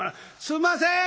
「すんません！